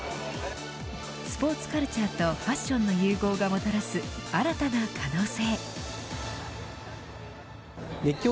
スポーツカルチャーとファッションの融合がもたらす新たな可能性。